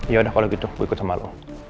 yaudah kalau gitu gue ikut sama lo